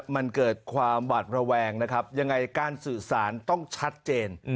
มันเกิดความหวาดระแวงนะครับยังไงการสื่อสารต้องชัดเจน